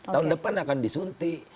tahun depan akan disuntik